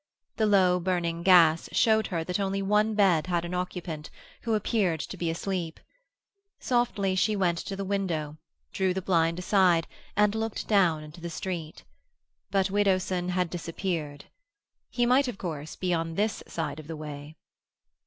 The low burning gas showed her that only one bed had an occupant, who appeared to be asleep. Softly she went to the window, drew the blind aside, and looked down into the street. But Widdowson had disappeared. He might of course be on this side of the way.